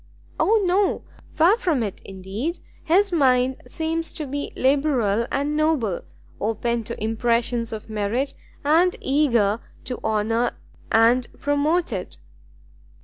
"O no! far from it indeed; his mind seems to be liberal and noble, open to impressions of merit, and eager to honour and promote it."